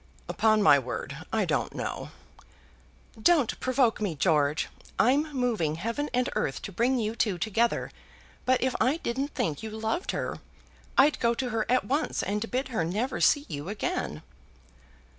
"Upon my word I don't know." "Don't provoke me, George. I'm moving heaven and earth to bring you two together; but if I didn't think you loved her, I'd go to her at once and bid her never see you again."